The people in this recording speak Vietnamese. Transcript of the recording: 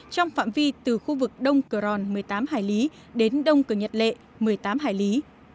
trong phạm vi từ khu vực đông cờ ròn một mươi tám hải lý đến đông cửa nhật lệ một mươi tám hải lý